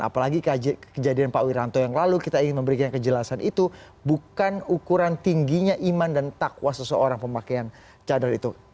apalagi kejadian pak wiranto yang lalu kita ingin memberikan kejelasan itu bukan ukuran tingginya iman dan takwa seseorang pemakaian cadar itu